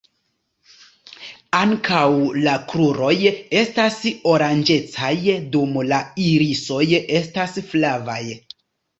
Ankaŭ la kruroj estas oranĝecaj, dum la irisoj estas flavaj.